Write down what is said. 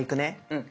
うん。